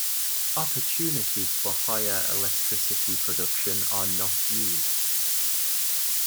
Opportunities for higher electricity production are not used.